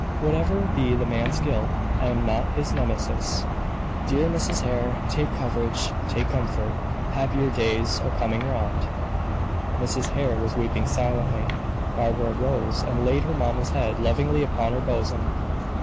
Whatever be the man's guilt, I am not his Nemesis. Dear Mrs. Hare, take courage, take comfort happier days are coming round." Mrs. Hare was weeping silently. Barbara rose and laid her mamma's head lovingly upon her bosom.